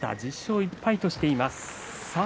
１０勝１敗としています。